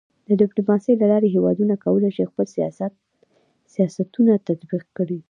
د ډيپلوماسۍ له لارې هېوادونه کولی سي خپل سیاستونه تطبیق کړي.